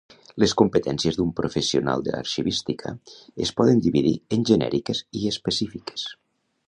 Les competències d'un professional de l'arxivística es poden dividir en genèriques i específiques.